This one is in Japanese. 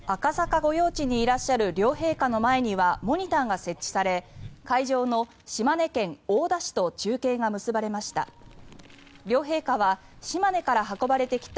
御用地にいらっしゃる両陛下の前にはモニターが設置され会場の島根県大田市と中継が結ばれました。